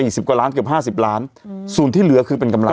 สี่สิบกว่าล้านจุดกับห้าสิบล้านอือศูนย์ที่เหลือคือเป็นกำลัง